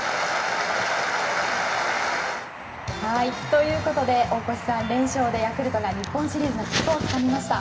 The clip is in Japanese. ということで、大越さん連勝でヤクルトが日本シリーズへの切符をつかみました。